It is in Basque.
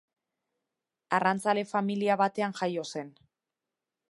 Arrantzale familia batean jaio zen.